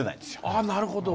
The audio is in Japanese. ああなるほど。